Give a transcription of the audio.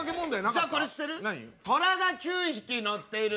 じゃあこれ知ってる？